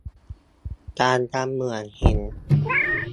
การทำเหมืองหิน